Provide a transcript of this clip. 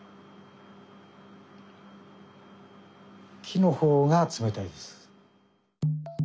木の方が冷たいです。